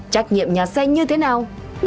trách nhiệm nhà xe như thế nào